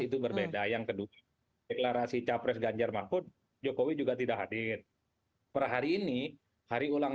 itu berbeda yang kedua deklarasi capres ganjar mahfud jokowi juga tidak hadir per hari ini hari ulang